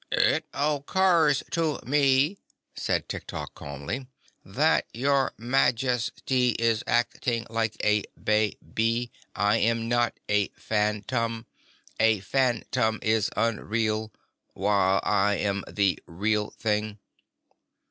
"It oc curs to me," said Tiktok calmly, "that your Maj es ty is act ing like a ba by I am not a phan tom. A phan tom is unreal, while I am the real thing."